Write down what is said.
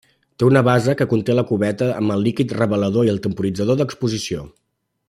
Té una base que conté la cubeta amb el líquid revelador i el temporitzador d'exposició.